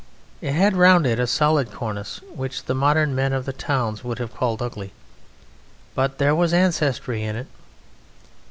It had round it a solid cornice which the modern men of the towns would have called ugly, but there was ancestry in it.